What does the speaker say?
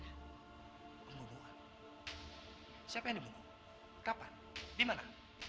siapa yang dibunuh kapan dimana